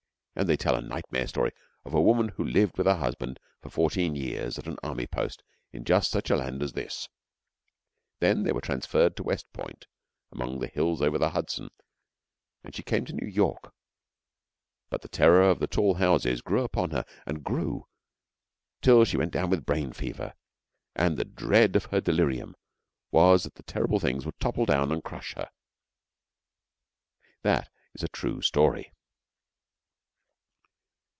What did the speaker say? And they tell a nightmare story of a woman who lived with her husband for fourteen years at an Army post in just such a land as this. Then they were transferred to West Point, among the hills over the Hudson, and she came to New York, but the terror of the tall houses grew upon her and grew till she went down with brain fever, and the dread of her delirium was that the terrible things would topple down and crush her. That is a true story.